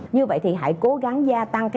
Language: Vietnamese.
như vậy thì hãy cố gắng gia tăng